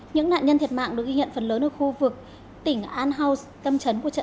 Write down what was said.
những nạn nhân thiệt mạng được ghi nhận phần lớn ở khu vực